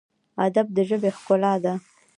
ادب د ژبې ښکلا ده